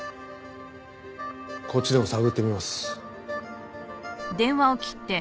こっちでも探ってみます。